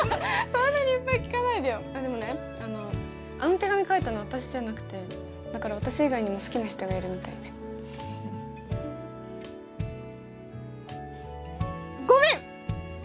そんなにいっぱい聞かないでよでもねあの手紙書いたの私じゃなくてだから私以外にも好きな人がいるみたいでごめん！